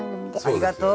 ありがとう。